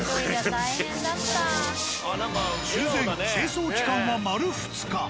修繕・清掃期間は丸２日。